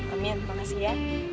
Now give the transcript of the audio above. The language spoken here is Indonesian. amin makasih ya